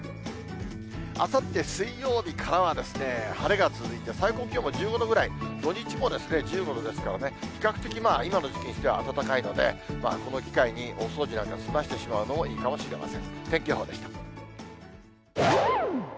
あさって水曜日からは、晴れが続いて、最高気温も１５度ぐらい、土日も１５度ですからね、比較的今の時期にしては暖かいので、この機会にお掃除なんか済ましてしまうのもいいかもしれません。